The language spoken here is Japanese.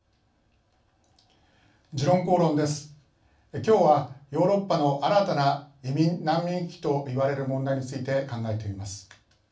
きょうはヨーロッパの新たな移民・難民危機といわれる問題について考えてみます。